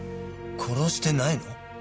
殺してないの？